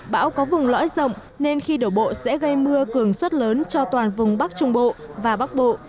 bão có vùng lõi rộng nên khi đổ bộ sẽ gây mưa cường suất lớn cho toàn vùng bắc trung bộ và bắc bộ